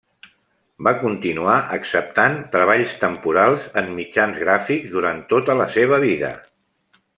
Va continuar acceptant treballs temporals en mitjans gràfics durant tota la seva vida.